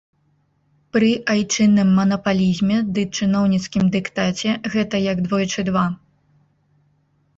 Пры айчынным манапалізме ды чыноўніцкім дыктаце гэта як двойчы два.